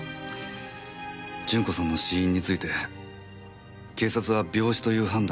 順子さんの死因について警察は病死という判断を変えません。